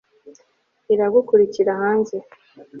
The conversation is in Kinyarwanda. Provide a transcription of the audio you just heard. iragukurikira hanze